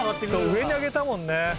上に上げたもんね。